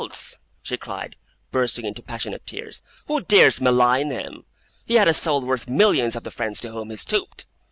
she cried, bursting into passionate tears. 'Who dares malign him? He had a soul worth millions of the friends to whom he stooped!